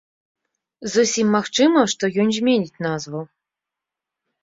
Зусім магчыма, што ён зменіць назву.